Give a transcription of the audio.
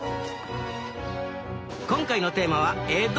今回のテーマは「江戸」。